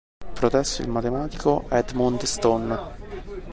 Protesse il matematico Edmund Stone.